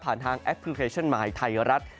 ทางแอปพลิเคชันมายไทยรัฐ